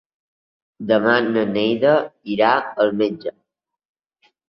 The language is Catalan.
Demà na Neida irà al metge.